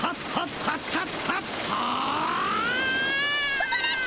すばらしい！